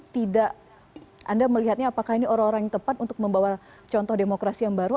tidak anda melihatnya apakah ini orang orang yang tepat untuk membawa contoh demokrasi yang baru